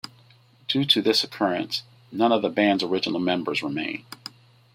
Due to this occurrence, none of the band's original members remain.